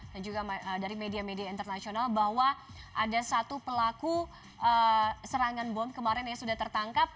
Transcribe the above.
dan juga dari media media internasional bahwa ada satu pelaku serangan bom kemarin yang sudah tertangkap